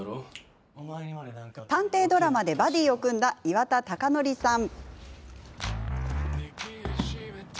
探偵ドラマでバディーを組んだ岩田剛典さん。